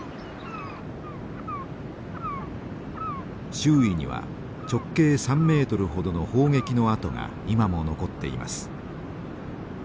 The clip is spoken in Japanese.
周囲には直径３ｍほどの砲撃の跡が今も残っています。